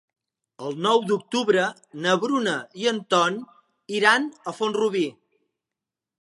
El nou d'octubre na Bruna i en Ton iran a Font-rubí.